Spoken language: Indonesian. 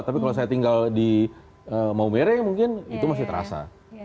tapi kalau saya tinggal di maumere mungkin itu masih terasa